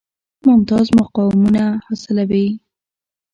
ممتاز مقامونه حاصلوي.